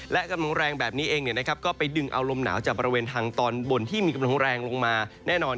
และกำลังแรงแบบนี้เองก็ไปดึงเอาลมหนาวจากบริเวณทางตอนบนที่มีกำลังแรงลงมาแน่นอน